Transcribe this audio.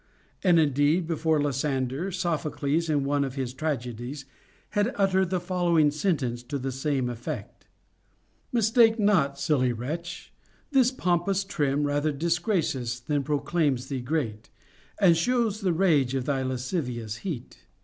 And indeed, before Lysander, Sophocles in one of his tragedies had uttered the following sentence to the same effect: Mistake not, silly wretch ; this pompous trim Rather disgraces than proclaims thee great, And shows the rage of thy lascivious heat.